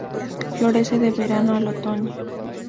Florece de verano al otoño.